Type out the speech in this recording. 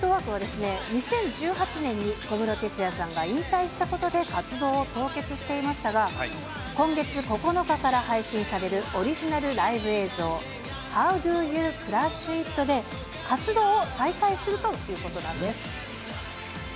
ＴＭＮＥＴＷＯＲＫは２０１８年に小室哲哉さんが引退したことで活動を凍結していましたが、今月９日から配信されるオリジナルライブ映像、ハウドゥーユークラッシュイットで、活動を再開するということなんです。